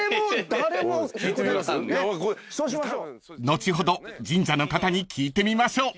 ［後ほど神社の方に聞いてみましょう］